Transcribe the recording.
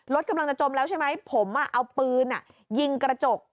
รถกำลังจะจมแล้วใช่ไหมผมเอาปืนยิงกระจก